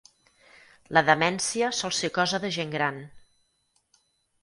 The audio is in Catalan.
La demència sol ser cosa de gent gran.